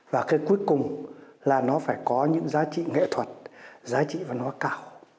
và cái cuối cùng là nó phải có những giá trị nghệ thuật giá trị văn hóa cao